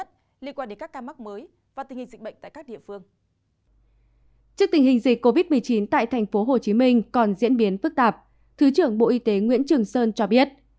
trước tình hình dịch covid một mươi chín tại tp hcm còn diễn biến phức tạp thứ trưởng bộ y tế nguyễn trường sơn cho biết